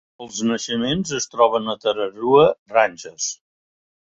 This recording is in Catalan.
Els naixements es troben a Tararua Ranges.